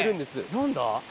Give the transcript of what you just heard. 何だ？